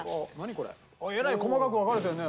えらい細かく分かれてるね。